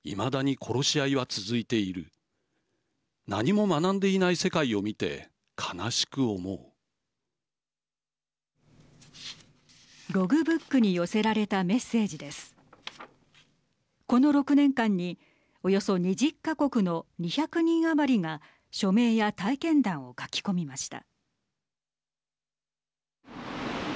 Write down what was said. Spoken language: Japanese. この６年間に、およそ２０か国の２００人余りが署名や体験談を書き込みました。